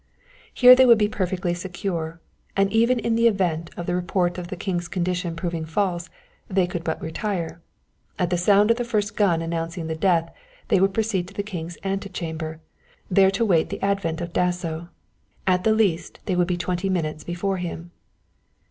Here they would be perfectly secure, and even in the event of the report of the king's condition proving false, they could but retire. At the sound of the first gun announcing the death they would proceed to the king's ante chamber, there to wait the advent of Dasso. At the least they would be twenty minutes before him.